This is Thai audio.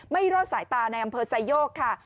ไม่รอดสายตาในอำเภอไซโยกค่ะ